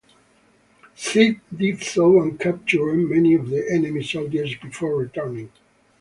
Zhi did so and captured many of the enemy soldiers before returning.